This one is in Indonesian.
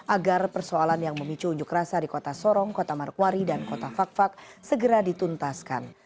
agar persoalan yang memicu unjuk rasa di kota sorong kota markwari dan kota fak fak segera dituntaskan